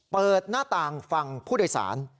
เปิดหน้าต่างฝั่งผู้โดยสาร